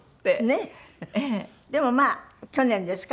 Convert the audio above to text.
でもまあ去年ですか？